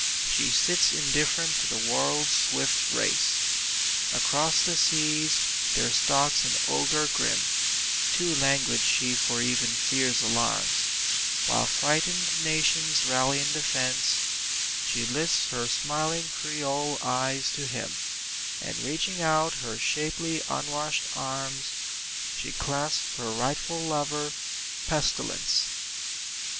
She sits indifferent to the world's swift race. Across the seas there stalks an ogre grim: Too languid she for even fear's alarms, While frightened nations rally in defence, She lifts her smiling Creole eyes to him, And reaching out her shapely unwashed arms, She clasps her rightful lover Pestilence.